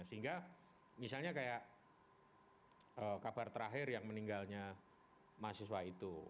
sehingga misalnya kayak kabar terakhir yang meninggalnya mahasiswa itu